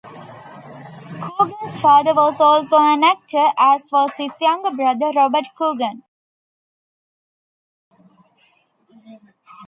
Coogan's father was also an actor, as was his younger brother, Robert Coogan.